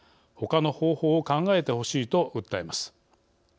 ほかの方法を考えてほしい。」と訴えます。